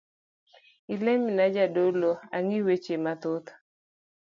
Ilemina jadolo, angi weche mathoth.